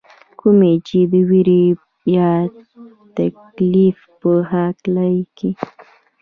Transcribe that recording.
کومي چې د ويرې يا تکليف پۀ حالت کښې